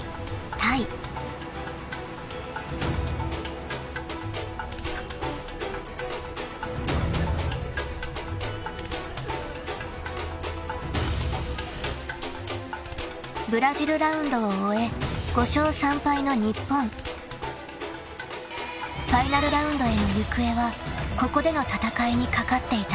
［ファイナルラウンドへの行方はここでの戦いに懸かっていた］